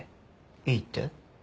いいって？